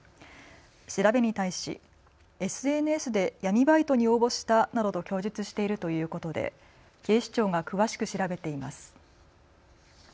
調べに対しＳＮＳで闇バイトに応募したなどと供述しているということで警視庁が詳しく調べています。